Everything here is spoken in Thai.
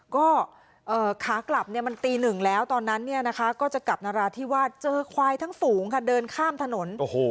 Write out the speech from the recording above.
ก็ขากลับมันตีหนึ่งแล้วตอนนั้นก็จะกลับนราธิวาสเจอควายทั้งฝูงค่ะเดินข้ามถนน